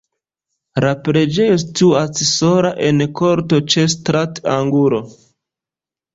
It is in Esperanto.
La preĝejo situas sola en korto ĉe stratangulo.